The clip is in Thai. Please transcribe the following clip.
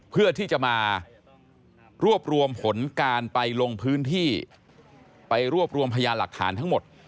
เพื่อที่จะมารวบรวมผลการไปลงพื้นที่ไปรวบรวมพยานหลักฐานทั้งหมด